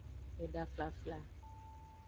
Eda flfla.